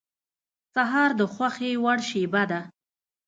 سهار د خوښې وړ شېبه ده.